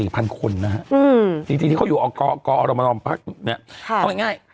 ๕๓พันคนนะฮะอืมจริงนี้เขาอยู่ที่ออกกอลกรอลมนภาคเนี่ยเขาว่าง่าย